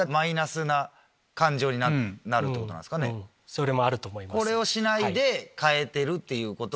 それもあると思います。